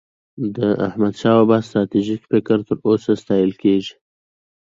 د احمدشاه بابا ستراتیژيک فکر تر اوسه ستایل کېږي.